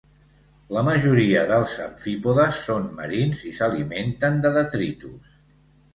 La majoria dels amfípodes són marins i s'alimenten de detritus.